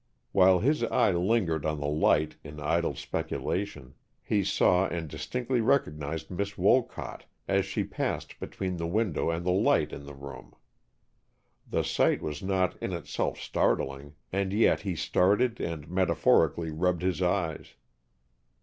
While his eye lingered on the light in idle speculation, he saw and distinctly recognized Miss Wolcott as she passed between the window and the light in the room. The sight was not in itself startling and yet he started and metaphorically rubbed his eyes.